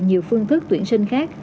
nhiều phương thức tuyển sinh khác